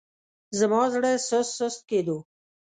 زما زړه سست سست کېدو.